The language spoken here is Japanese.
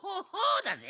だぜ。